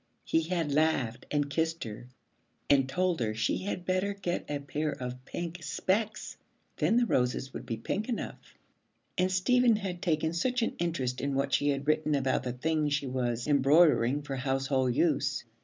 He had laughed and kissed her and told her she had better get a pair of pink specs, then the roses would be pink enough. And Stephen had taken such an interest in what she had written about the things she was embroidering for household use.